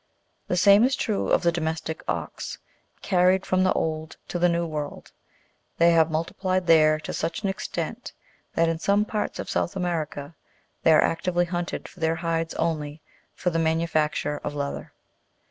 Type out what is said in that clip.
The same is true of the domestic ox : carried from the Old to the New World, they have multiplied there to such an extent that in some parts of South America they are actively hunted for their hides only, for the manufacture of leather.